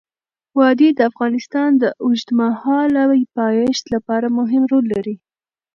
وادي د افغانستان د اوږدمهاله پایښت لپاره مهم رول لري.